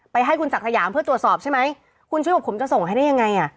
ให้คุณศักดิ์สยามเพื่อตรวจสอบใช่ไหมคุณชุวิตบอกผมจะส่งให้ได้ยังไงอ่ะ